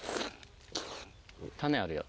種あるよ。